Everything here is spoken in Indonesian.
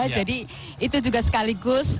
jadi itu juga sekaligus